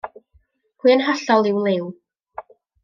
Pwy yn hollol yw Liw?